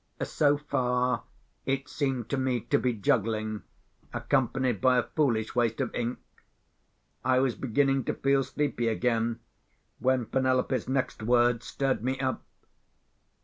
(So far, it seemed to me to be juggling, accompanied by a foolish waste of ink. I was beginning to feel sleepy again, when Penelope's next words stirred me up.)